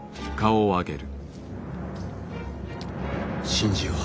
信じよう。